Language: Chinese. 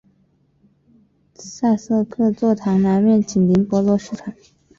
萨瑟克座堂南面紧邻博罗市场。